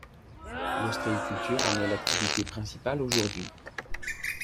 L'ostréiculture en est l'activité principale aujourd'hui.